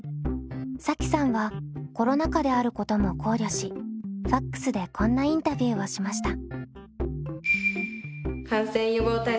さきさんはコロナ禍であることも考慮しＦＡＸでこんなインタビューをしました。